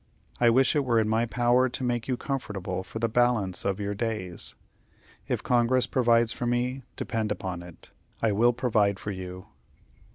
I wish it were in my power to make you comfortable for the balance of your days. If Congress provides for me, depend upon it, I will provide for you."